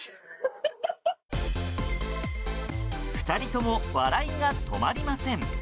２人とも笑いが止まりません。